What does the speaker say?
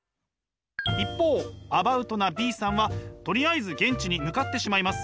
一方アバウトなＢさんはとりあえず現地に向かってしまいます。